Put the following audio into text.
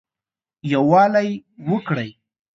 يووالى وکړٸ